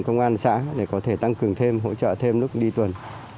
công an xã để có thể tăng cường thêm hỗ trợ thêm lúc đi tuần